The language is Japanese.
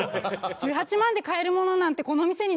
１８万で買えるものなんてこの店にないですよね？